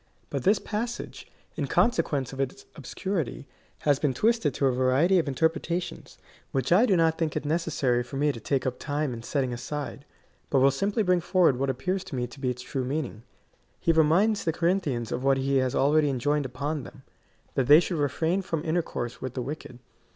But this passage, in consequence of its obscurity, has been twisted to a variety of interpretations, which I do not think it necessary for me to take up time in setting aside, but will simply bring forward what appears to me to be its true meaning. He reminds the Corinthians of what he had already enjoined upon them — that they should re frain from intercourse with the wicked.